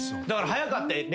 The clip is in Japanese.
だから早かった。